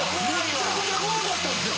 めちゃくちゃ怖かったんっすよ。